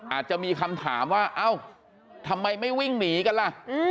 อาจจะมีคำถามว่าเอ้าทำไมไม่วิ่งหนีกันล่ะ